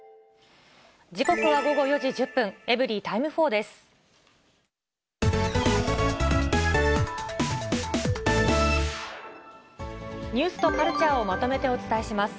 時刻は午後４時１０分、エブリィタイム４です。